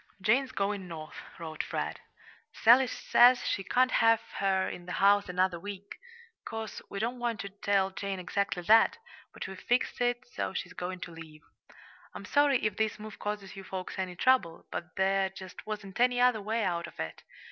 Jane's going North [wrote Fred]. Sally says she can't have her in the house another week. 'Course, we don't want to tell Jane exactly that but we've fixed it so she's going to leave. I'm sorry if this move causes you folks any trouble, but there just wasn't any other way out of it.